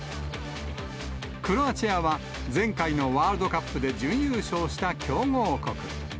クロアチアは前回のワールドカップで準優勝した強豪国。